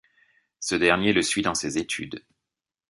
Ce dernier le suit dans ses études.